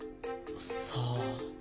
さあ？